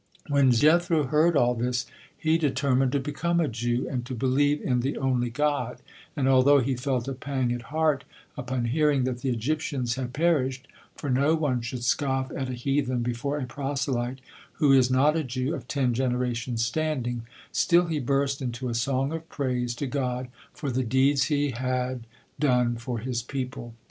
When Jethro heard all this, he determined to become a Jew and to believe in the only God, and although he felt a pang at heart upon hearing that the Egyptians had perished for no one should scoff at a heathen before a proselyte who is not a Jew of ten generation's standing still he burst into a song of praise to God for the deeds He had one for His people.